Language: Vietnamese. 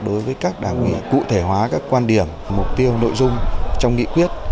đối với các đảng ủy cụ thể hóa các quan điểm mục tiêu nội dung trong nghị quyết